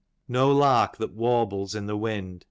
XXVll No lark that warbles in the wind.